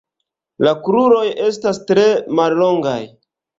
La kruroj estas tre mallongaj.